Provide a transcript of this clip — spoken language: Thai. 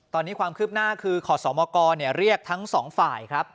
ตอนนี้ความคืบหน้าคือขอสมกรเรียกทั้งสองฝ่ายครับ